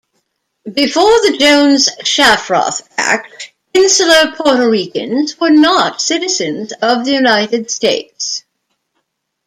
Before the Jones-Shafroth Act, insular Puerto Ricans were not citizens of the United States.